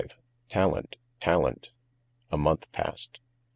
V Talent! Talent! A month passed.